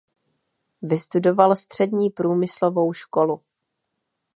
Vystudoval střední průmyslovou školu.